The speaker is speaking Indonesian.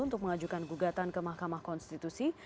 untuk mengajukan gugatan ke mahkamah konstitusi